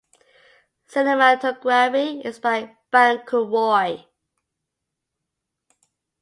Cinematography is by Banku Roy.